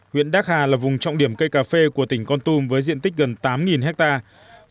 huyện đắc hà là vùng trọng điểm cây cà phê của tỉnh con tum với diện tích gần tám hectare